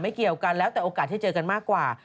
เกี่ยวกันแล้วแต่โอกาสที่เจอกันมากกว่า